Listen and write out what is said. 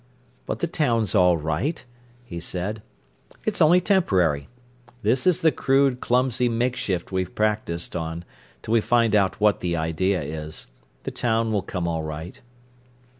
"But the town's all right," he said; "it's only temporary. This is the crude, clumsy make shift we've practised on, till we find out what the idea is. The town will come all right."